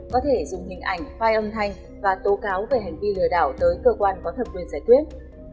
có thể dùng hình ảnh file âm thanh và tố cáo về hành vi lừa đảo tới cơ quan có thẩm quyền giải quyết